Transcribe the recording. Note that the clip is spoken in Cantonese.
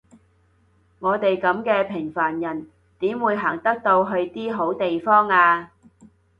我哋噉嘅平凡人點會行得到去啲好地方呀？